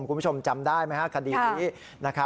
คุณผู้ชมจำได้ไหมครับคดีนี้